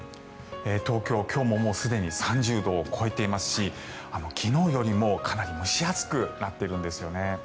東京、今日もすでに３０度を超えていますし昨日よりもかなり蒸し暑くなっているんですよね。